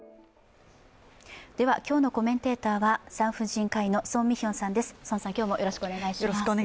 では今日のコメンテーターは産婦人科医の宋美玄さんです。